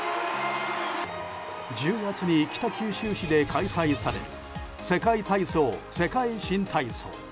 １０月に北九州市で開催される世界体操・世界新体操。